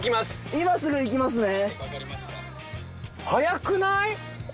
今すぐ行きますね。